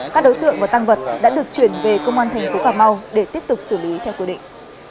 các đối tượng và tăng vật đã được chuyển về công an thành phố cà mau để tiếp tục xử lý theo quy định